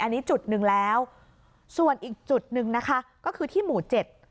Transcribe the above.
อันนี้จุดหนึ่งแล้วส่วนอีกจุดหนึ่งนะคะก็คือที่หมู่เจ็ด